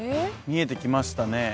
見えてきましたね